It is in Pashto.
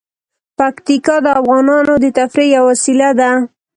پکتیکا د افغانانو د تفریح یوه وسیله ده.